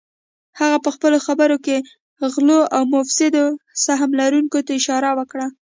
هغه پهخپلو خبرو کې غلو او مفسدو سهم لرونکو ته اشاره وکړه